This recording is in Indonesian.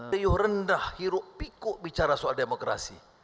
beliau rendah hirup pikuk bicara soal demokrasi